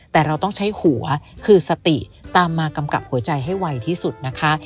แต่เราต้องใช้หัวคือสติตามมากำกับหัวใจให้ไวที่สุดนะคะ